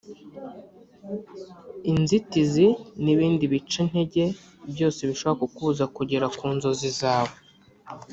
inzitizi n’ ibindi bicantege byose bishobora kukubuza kugera ku nzozi zawe